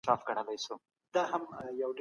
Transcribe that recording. خو شرط موجود دی.